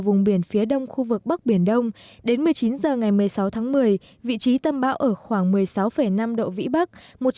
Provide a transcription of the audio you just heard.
vùng biển phía đông khu vực bắc biển đông đến một mươi chín h ngày một mươi sáu tháng một mươi vị trí tâm bão ở khoảng một mươi sáu năm độ vĩ bắc